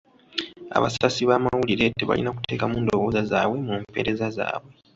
Abasasi b'amawulire tebalina kuteekamu ndowooza zaabwe mu mpeereza zaabwe.